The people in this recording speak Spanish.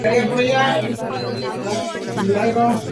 Todos los vecinos regresan a sus hogares.